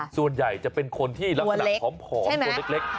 ส่วนใหญ่จะเป็นคนที่ลักษณะผอมตัวเล็ก